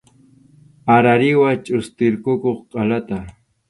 Arariwa chʼustirqukuq qʼalata.